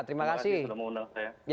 terima kasih sudah mengundang saya